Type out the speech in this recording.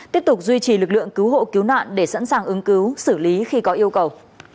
tiếp tục duy trì lực lượng cứu hộ cứu nạn để sẵn sàng ứng cứu xử lý khi có yêu cầu